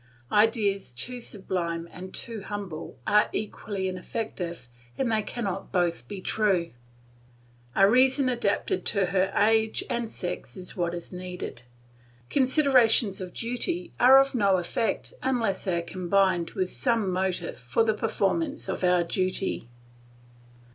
Ideas too sublime and too humble are equally ineffective and they cannot both be true. A reason adapted to her age and sex is what is needed. Considerations of duty are of no effect unless they are combined with some motive for the performance of our duty.